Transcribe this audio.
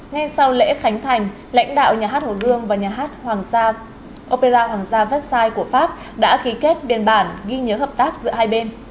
ngay sau lễ khánh thành lãnh đạo nhà hát hồ gương và nhà hát opera hoàng gia vecsai của pháp đã ký kết biên bản ghi nhớ hợp tác giữa hai bên